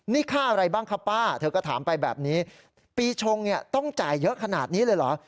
นี่ค่าอะไรบ้างคะป้าเธอก็ถามไปแบบนี้ปีชงเนี่ยต้องจ่ายเยอะขนาดนี้เลยเหรอ